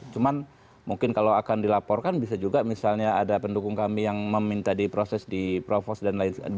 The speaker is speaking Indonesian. cuman mungkin kalau akan dilaporkan bisa juga misalnya ada pendukung kami yang meminta diproses di provos dan lain sebagainya